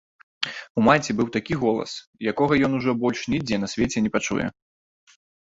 У маці быў такі голас, якога ён ужо больш нідзе на свеце не пачуе.